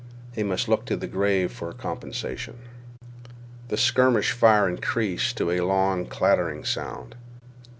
He must look to the grave for comprehension. The skirmish fire increased to a long clattering sound.